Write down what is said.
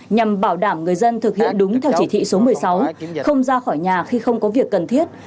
nhằm bảo đảm người dân thực hiện đúng theo chỉ thị số một mươi sáu không ra khỏi nhà khi không có việc cần thiết